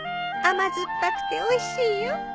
甘酸っぱくておいしいよ。